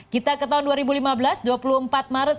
kita ke tahun dua ribu lima belas dua puluh empat maret